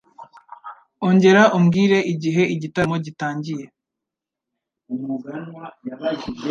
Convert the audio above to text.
Ongera umbwire igihe igitaramo gitangiye.